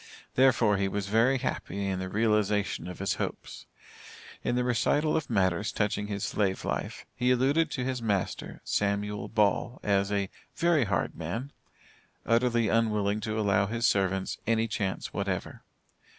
Therefore, he was very happy in the realization of his hopes. In the recital of matters touching his slave life, he alluded to his master, Samuel Ball, as a "very hard man," utterly unwilling to allow his servants any chance whatever.